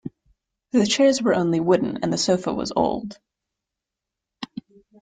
The chairs were only wooden, and the sofa was old.